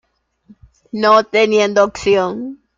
No teniendo opción.